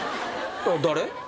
誰？